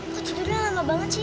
kok jujurnya lama banget sih